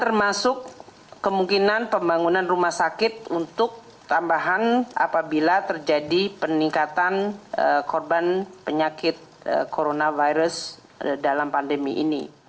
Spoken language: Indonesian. termasuk kemungkinan pembangunan rumah sakit untuk tambahan apabila terjadi peningkatan korban penyakit coronavirus dalam pandemi ini